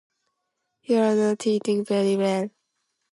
You're not hitting very well.